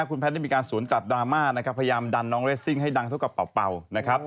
คุณแพทย์ได้มีการสวนกลับดราม่านะครับพยายามดันน้องเรสซิ่งให้ดังเท่ากับเป่านะครับ